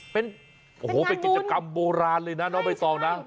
เป็นกิจกรรมโบราณเลยนะไม่ต้องนะ